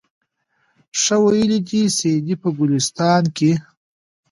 ښه ویلي دي سعدي په ګلستان کي